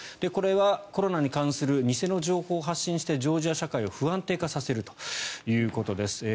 これはコロナに関する偽の情報を発信してジョージア社会を不安定化させるということです。